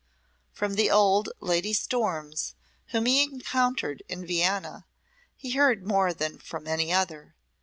From the old Lady Storms, whom he encountered in Vienna, he heard more than from any other.